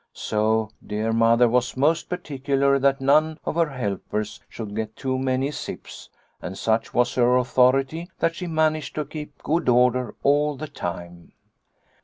So dear Mother was most particular that none of her helpers should get too many sips, and such was her authority that she managed to keep good order all the time.